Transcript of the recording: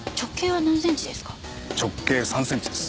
直径３センチです。